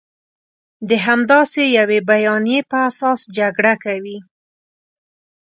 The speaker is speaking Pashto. د همداسې یوې بیانیې په اساس جګړه کوي.